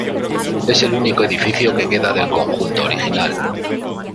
Es el único edificio que queda del conjunto original.